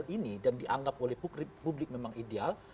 ini dan dianggap oleh publik memang ideal